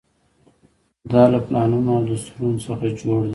دا له پلانونو او دستورونو څخه جوړ دی.